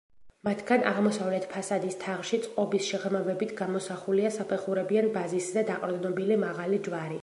მათგან აღმოსავლეთ ფასადის თაღში წყობის შეღრმავებით გამოსახულია საფეხურებიან ბაზისზე დაყრდნობილი მაღალი ჯვარი.